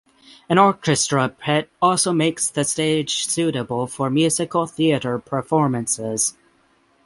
An orchestra pit also makes the stage suitable for musical theatre performances.